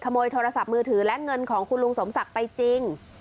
ขโมยโทรศัพท์มือถือและเงินของคุณลุงสมศักดิ์ไปจริง